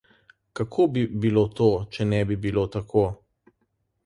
Kako bi bilo to, če ne bi bilo tako?